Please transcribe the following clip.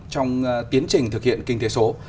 trong tiến trình thực hiện kinh tế số